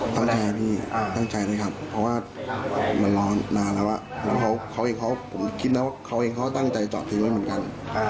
คิดแล้วว่าเขาเองเขาตั้งใจจอดถือรถเหมือนกัน